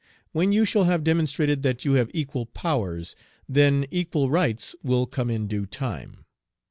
When you shall have demonstrated that you have equal powers, then equal rights will come in due time.